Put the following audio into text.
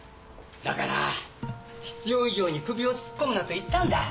だから必要以上に首を突っ込むなと言ったんだ。